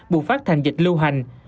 bùng phát thành dịch lưu hành